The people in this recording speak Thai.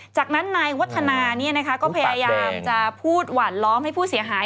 จากนั้นนายวัฒนาก็พยายามจะพูดหวานล้อมให้ผู้เสียหาย